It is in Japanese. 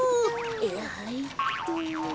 はいっと。